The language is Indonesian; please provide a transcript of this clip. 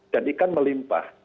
dan ikan melimpah